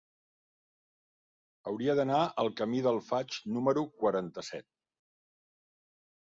Hauria d'anar al camí del Faig número quaranta-set.